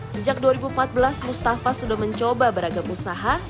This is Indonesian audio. sejak dua ribu empat belas mustafa sudah mencoba beragam usaha